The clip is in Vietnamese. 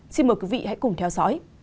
xin mời quý vị hãy cùng theo dõi